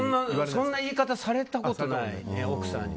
そんな言い方されたことない奥さんに。